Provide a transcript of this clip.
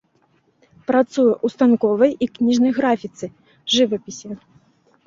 Працуе ў станковай і кніжнай графіцы, жывапісе.